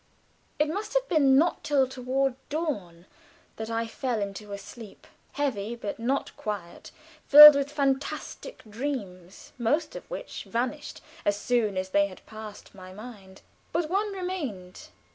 It must have been not till toward dawn that I fell into a sleep, heavy, but not quiet filled with fantastic dreams, most of which vanished as soon as they had passed my mind. But one remained.